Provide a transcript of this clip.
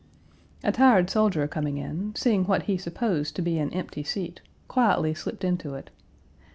A tired soldier coming in, seeing what he supposed to be an empty seat, quietly slipped into it.